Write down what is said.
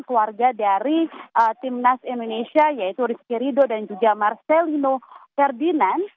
keluarga dari timnas indonesia yaitu rizky rido dan juga marcelino ferdinand